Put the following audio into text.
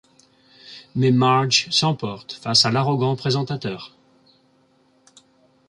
Mais Marge s'emporte face à l'arrogant présentateur.